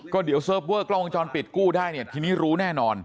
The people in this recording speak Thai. ก็เดี๋ยวเซิร์ฟเวอร์กล้องวงจรปิดกู้ได้เนี่ยทีนี้รู้แน่นอน